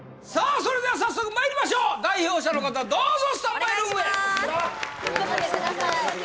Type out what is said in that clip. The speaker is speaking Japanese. それでは早速まいりましょう代表者の方どうぞスタンバイルームへ頑張ってください